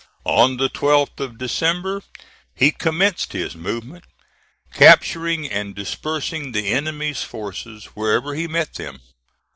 On the 12th of December he commenced his movement, capturing and dispersing the enemy's forces wherever he met them.